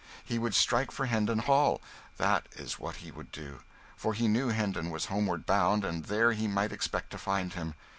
He would strike for Hendon Hall, that is what he would do, for he knew Hendon was homeward bound and there he might expect to find him.